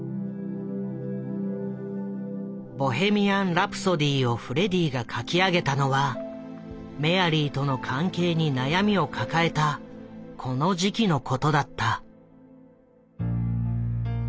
「ボヘミアン・ラプソディ」をフレディが書き上げたのはメアリーとの関係に悩みを抱えたこの時期のことだった。